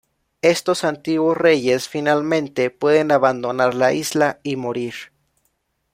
Estos antiguos reyes finalmente pueden abandonar la isla y morir.